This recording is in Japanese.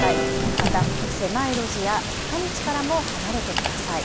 また狭い路地や坂道からも離れてください。